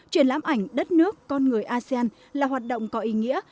triển lãm ảnh đất nước con người asean là hoạt động có ý nghĩa